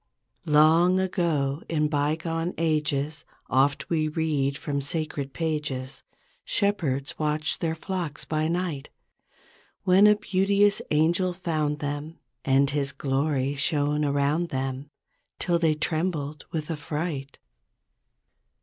"Long ago, in bygone ages. Oft we read from sacred pages. Shepherds watched their flocks by night. When a beauteous angel found them, And his glory shone around them, Till they trembled with affright.